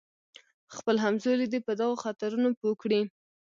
خپل همزولي دې په دغو خطرونو پوه کړي.